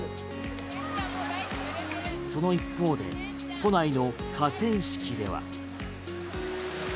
その一方で都内の河川敷では。